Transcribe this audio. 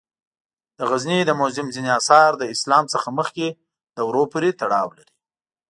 د غزني د موزیم ځینې آثار له اسلام څخه مخکې دورو پورې تړاو لري.